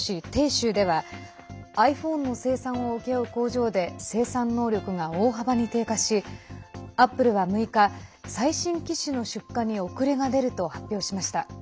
鄭州ではｉＰｈｏｎｅの生産を請け負う工場で生産能力が大幅に低下しアップルは６日最新機種の出荷に遅れが出ると発表しました。